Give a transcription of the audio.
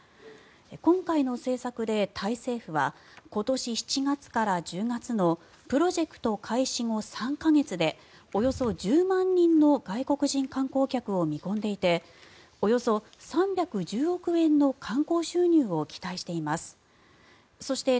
今回の政策でタイ政府は今年７月から１０月のプロジェクト開始後３か月でおよそ１０万人の外国人観光客を見込んでいておよそ３１０億円の観光収入を期待しています。